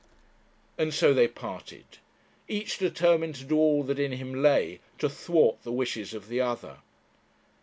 And so they parted, each determined to do all that in him lay to thwart the wishes of the other.